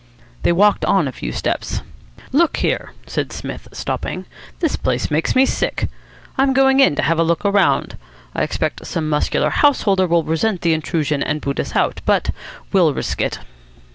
They walked on a few steps. "Look here," said Psmith, stopping. "This place makes me sick. I'm going in to have a look round. I expect some muscular householder will resent the intrusion and boot us out, but we'll risk it."